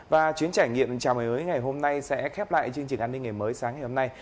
và chuyến trải nghiệm chào ngày mới ngày hôm nay sẽ khép lại chương trình an ninh ngày mới sáng ngày hôm nay